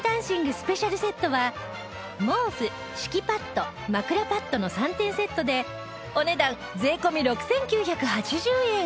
スペシャルセットは毛布敷きパッド枕パッドの３点セットでお値段税込６９８０円